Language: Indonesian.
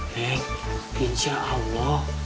hei insya allah